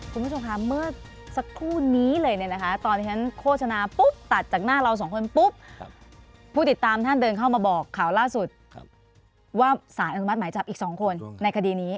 คุณผู้ชมคะเมื่อสักครู่นี้เลยเนี่ยนะคะตอนที่ฉันโฆษณาปุ๊บตัดจากหน้าเราสองคนปุ๊บผู้ติดตามท่านเดินเข้ามาบอกข่าวล่าสุดว่าสารอนุมัติหมายจับอีก๒คนในคดีนี้